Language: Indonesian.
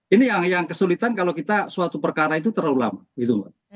ini yang kesulitan kalau kita suatu perkara itu terlalu lama gitu mbak